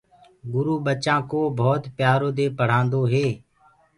گُرو ٻچآنٚ ڪوُ ڀوت پيآرو دي پڙهآندو هي۔